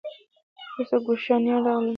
وروسته کوشانیان راغلل